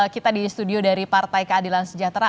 kita di studio dari partai keadilan sejahtera